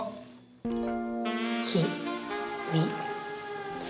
ひみつ。